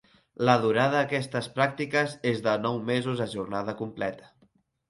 La durada d'aquestes pràctiques és de nou mesos a jornada completa.